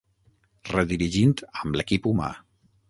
Redirigint amb l'equip humà.